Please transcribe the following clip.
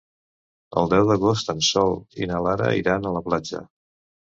El deu d'agost en Sol i na Lara iran a la platja.